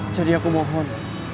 jadi aku mohon